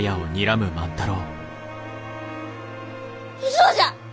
嘘じゃ！